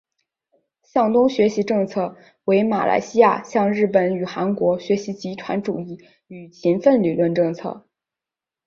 向东学习政策为马来西亚向日本与韩国学习集团主义与勤奋论理政策。